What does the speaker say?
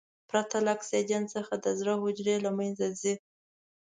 پرته له اکسیجن څخه د زړه حجرې له منځه ځي.